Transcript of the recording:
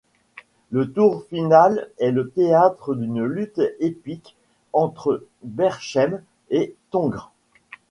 Le tour final est le théâtre d'une lutte épique entre Berchem et Tongres.